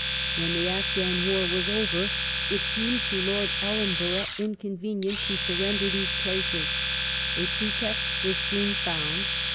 When the Afghdn War was over it seemed to Lord Ellenborough inconvenient to sun^ender these places. A pretext was soon found.